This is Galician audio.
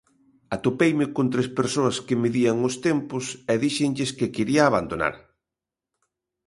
Atopeime con tres persoas que medían os tempos e díxenlles que quería abandonar.